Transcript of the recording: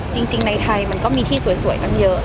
จริงในไทยมันก็มีที่สวยตั้งเยอะ